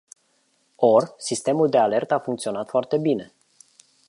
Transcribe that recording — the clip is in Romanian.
Or, sistemul de alertă a funcționat foarte bine.